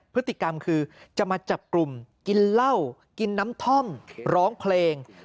พฤติกรรมคือจะมาจับกลุ่มกินเหล้ากินน้ำท่อมร้องเพลง